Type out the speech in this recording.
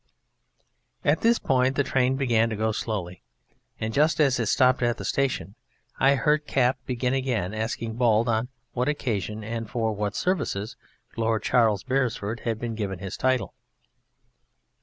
At this point the train began to go slowly, and just as it stopped at the station I heard Cap begin again, asking Bald on what occasion and for what services Lord Charles Beresford had been given his title.